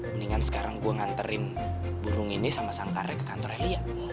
mendingan sekarang gue nganterin burung ini sama sangkarnya ke kantornya lia